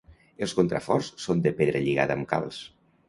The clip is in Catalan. Els contraforts són de pedra lligada amb calç.